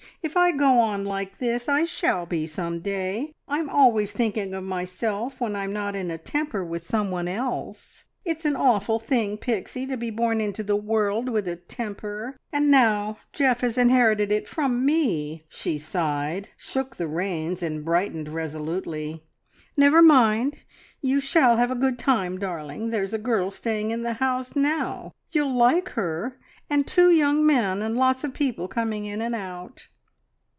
If I go on like this I shall be some day! I'm always thinking of myself, when I'm not in a temper with some one else. It's an awful thing, Pixie, to be born into the world with a temper. And now, Geoff has inherited it from me." She sighed, shook the reins, and brightened resolutely. "Never mind, you shall have a good time, darling! There's a girl staying in the house now you'll like her and two young men, and lots of people coming in and out."